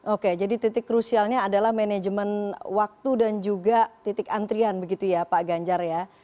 oke jadi titik krusialnya adalah manajemen waktu dan juga titik antrian begitu ya pak ganjar ya